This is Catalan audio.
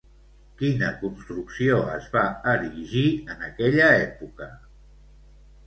Quina construcció es va erigir en aquella època?